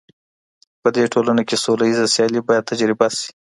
په دې ټولنه کي سوله ييزه سيالي بايد تجربه سي.